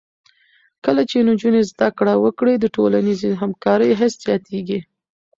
کله چې نجونې زده کړه وکړي، د ټولنیزې همکارۍ حس زیاتېږي.